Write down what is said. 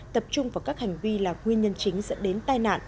tập trung vào các hành vi là nguyên nhân chính dẫn đến tai nạn